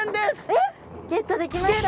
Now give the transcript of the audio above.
えっゲットできましたね。